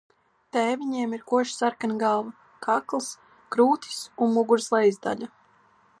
Tēviņiem ir koši sarkana galva, kakls, krūtis un muguras lejas daļa.